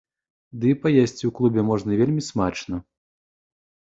Ды і паесці ў клубе можна вельмі смачна.